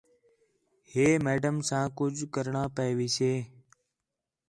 ہے میڈم ساں کُج کرݨاں پئے ویسئے